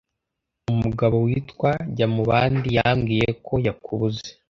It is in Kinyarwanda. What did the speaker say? Umugabo witwa Jyamubandi yambwiyeko yakubuze